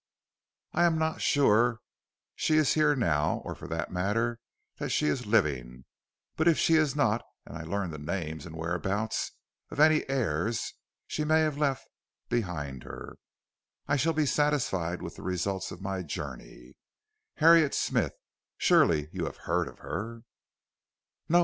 "I am not sure she is here now, or for that matter that she is living, but if she is not and I learn the names and whereabouts of any heirs she may have left behind her, I shall be satisfied with the results of my journey. Harriet Smith! Surely you have heard of her."